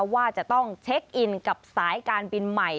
ว่าจะต้องเช็คอินกับสายการบินใหม่